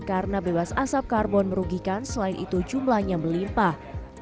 karena bebas asap karbon merugikan selain itu jumlahnya melimpah